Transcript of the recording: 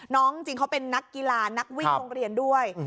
จริงเขาเป็นนักกีฬานักวิ่งโรงเรียนด้วย